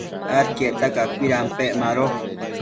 adquiecta cacuidampec mado